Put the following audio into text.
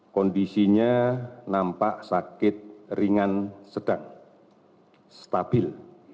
kondisinya nampak sakit ringan sedang stabil